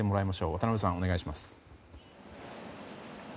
渡辺さん、お願いします。